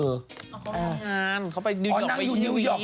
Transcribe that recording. อ๋องานเขาไปนิวยอร์กไปเชียววีก